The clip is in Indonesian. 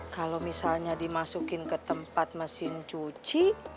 kalau misalnya dimasukin ke tempat mesin cuci